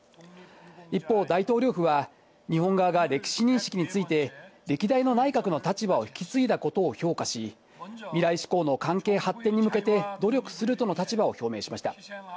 一方、大統領府は日本側が歴史認識について歴代の内閣の立場を引き継いだことを評価し、未来志向の関係発展に向けて、努力するとの立場を表明しました。